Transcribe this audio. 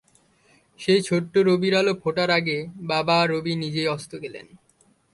সেই ছোট্ট রবির আলো ফোটার আগে বাবা রবি নিজেই অস্ত গেলেন।